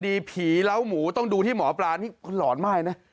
ผีเล้าหมูต้องดูที่หมอปลานี่หลอนมากนะ